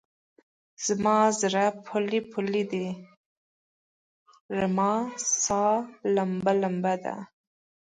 زما زړه پولۍ پولۍدی؛ رما سا لمبه لمبه ده